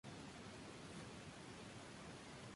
Sáez Editor.